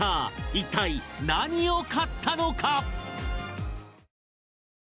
一体何を買ったのか？